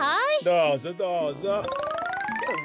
どうぞどうぞ。